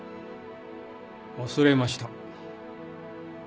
忘れました。